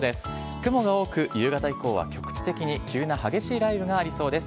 雲が多く、夕方以降は局地的に急な激しい雷雨がありそうです。